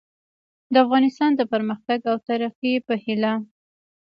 د افغانستان د پرمختګ او ترقي په هیله